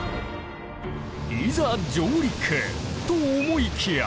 いざ上陸！と思いきや！